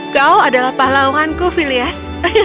kau adalah pahlawanku filias